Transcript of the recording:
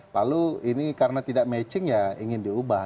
lalu ini karena tidak matching ya ingin diubah